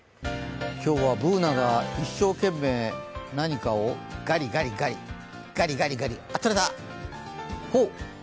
今日はＢｏｏｎａが一生懸命何かをガリガリガリあっ、とれた。